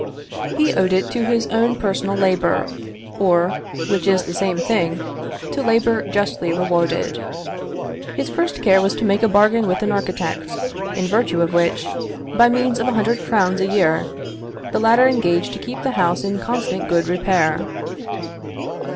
He owed it to his own personal labour, or, which is the same thing, to labour justly rewarded. His first care was to make a bargain with an architect, in virtue of which, by means of a hundred crowns a year, the latter engaged to keep the house in constant good repair.